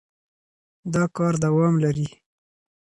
دا کار دوام لري.